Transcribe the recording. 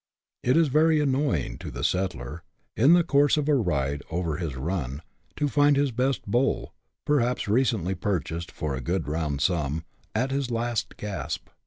It is very annoying to the settler, in the course of a ride over his " run," to find his best bull, perhaps recently purchased for a good round sum, at his last gasp.